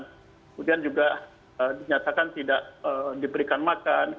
kemudian juga dinyatakan tidak diberikan makan